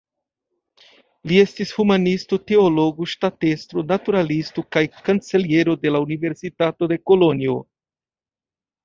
Li estis humanisto, teologo, ŝtatestro, naturalisto kaj kanceliero de la Universitato de Kolonjo.